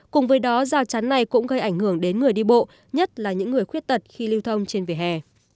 cùng với đó rào chắn này cũng gây ảnh hưởng đến người đi bộ nhất là những người khuyết tật khi lưu thông trên vỉa hè